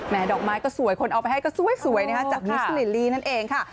ดอกไม้ก็สวยคนเอาไปให้ก็สวยนะคะจากมิสลิลีนั่นเองค่ะ